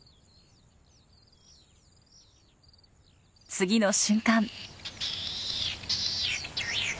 次の瞬間。